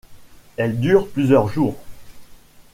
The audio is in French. Elle dure plusieurs jours.